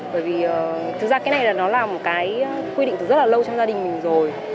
bởi vì thực ra cái này là nó là một cái quy định từ rất là lâu trong gia đình mình rồi